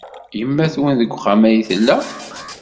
Yemma-twen deg uxxam ay tella?